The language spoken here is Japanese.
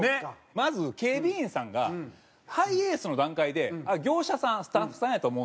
まず警備員さんがハイエースの段階で業者さんスタッフさんやと思うんですよ絶対に。